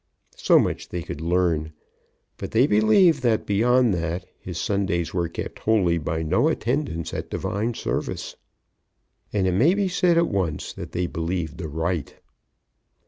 So much they could learn, But they believed that beyond that his Sundays were kept holy by no attendance at divine service. And it may be said at once that they believed aright.